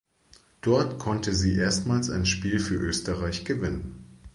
Dort konnte sie erstmals ein Spiel für Österreich gewinnen.